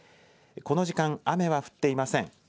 この時間、雨は降っていません。